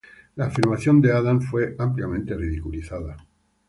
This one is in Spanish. La afirmación de Adams fue ampliamente ridiculizada.